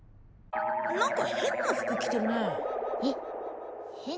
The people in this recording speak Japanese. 何か変な服着てるねえっ！？